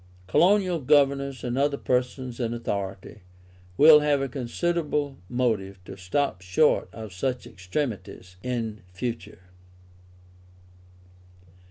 Colonial governors and other persons in authority, will have a considerable motive to stop short of such extremities in future.